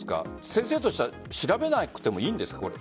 先生としては調べなくてもいいんですか？